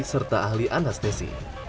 serta ahli anastasi